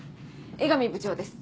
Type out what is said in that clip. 江上部長です。